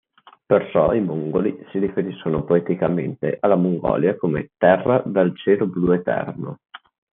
Perciò i Mongoli si riferiscono poeticamente alla Mongolia come "Terra dal cielo blu eterno".